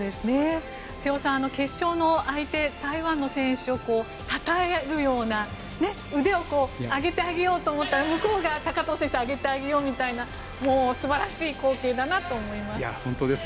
瀬尾さん、決勝の相手台湾の選手をたたえるような腕を上げてあげようと思ったら向こうが高藤選手を上げてあげようみたいなもう素晴らしい光景だなと思います。